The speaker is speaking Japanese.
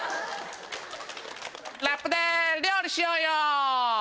ラップで料理しようよ！